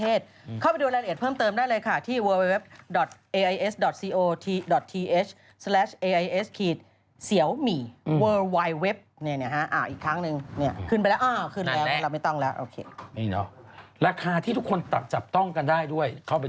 เอาซิเอาเพื่อให้ถ่ายรูปไม่ต้องใช้แอป